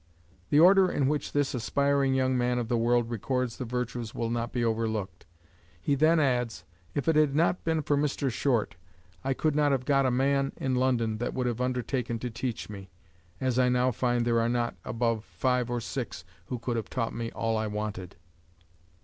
The order in which this aspiring young man of the world records the virtues will not be overlooked. He then adds, "If it had not been for Mr. Short, I could not have got a man in London that would have undertaken to teach me, as I now find there are not above five or six who could have taught me all I wanted."